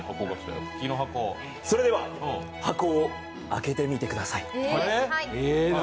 それでは箱を開けてみてください。